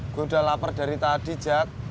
gue udah lapar dari tadi jat